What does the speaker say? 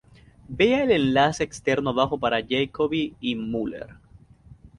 Vea el enlace externo abajo para Jacoby y Müller.